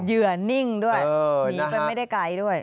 เหยื่อนิ่งด้วยหนีไปไม่ได้ไกลด้วย